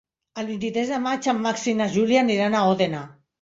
El vint-i-tres de maig en Max i na Júlia aniran a Òdena.